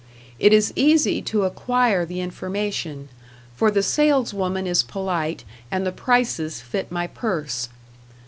It is easy to acquire the information, for the saleswoman is polite and the prices fit my purse.